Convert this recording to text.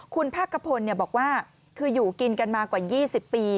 คุณภาคกะพลบอกว่าคืออยู่กินกันมากว่า๒๐ปี